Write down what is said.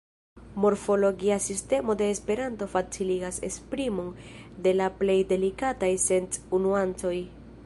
Morfologia sistemo de esperanto faciligas esprimon de la plej delikataj senc-nuancoj.